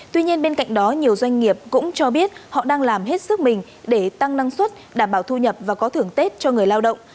tuy nhiên bên cạnh đó nhiều doanh nghiệp cũng cho biết họ đang làm hết sức mình để tăng năng suất đảm bảo thu nhập và có thưởng tết cho người lao động